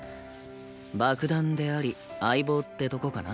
爆弾であり相棒ってとこかな